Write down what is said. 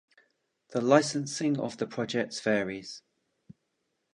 The licensing of the projects varies.